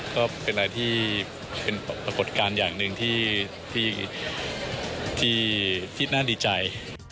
ก็เป็นอะไรที่เป็นปรากฏการณ์อย่างหนึ่งที่น่าดีใจ